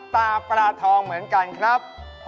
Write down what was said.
ปลาปลาทองเหมือนกันครับ